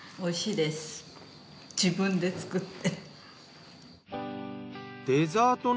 自分で作って。